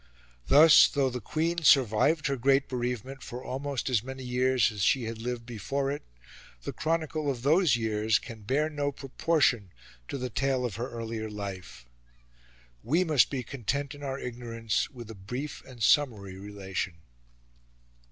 Thus, though the Queen survived her great bereavement for almost as many years as she had lived before it, the chronicle of those years can bear no proportion to the tale of her earlier life. We must be content in our ignorance with a brief and summary relation.